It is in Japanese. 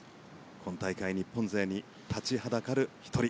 今大会、日本勢に立ちはだかる１人。